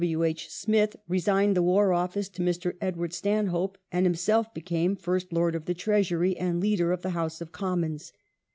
W. H. Smith resigned the War Office to Mr. Edward Stan hope, and himself became First Lord of the Treasury and Leader of the House of Commons.